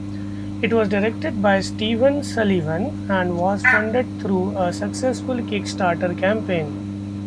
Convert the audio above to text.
It is directed by Steve Sullivan, and was funded through a successful Kickstarter campaign.